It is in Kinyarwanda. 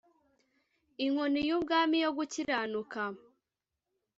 inkoni y’ubwami yo gukiranuka